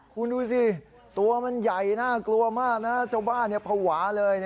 คุณดูสิตัวมันใหญ่น่ากลัวมากนะเจ้าบ้านภาวะเลย